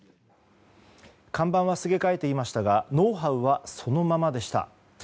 看板は挿げ替えていましたがノウハウはそのままでした。